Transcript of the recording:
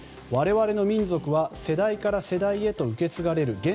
我々の民族は世代から世代へと受け継がれる。